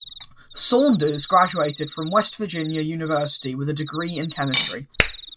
Saunders graduated from West Virginia University with a degree in chemistry.